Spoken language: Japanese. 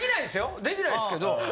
できないですけど。